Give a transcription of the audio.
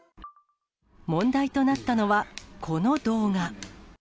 問題となったのは、この動画。